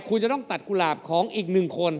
คุณจะต้องตัดกุหลาบของอีกหนึ่งคน